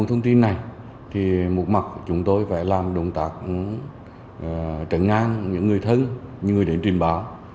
thì một mặt chúng tôi phải làm động tác trở ngang những người thân những người đến trình báo